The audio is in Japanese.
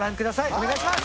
お願いします！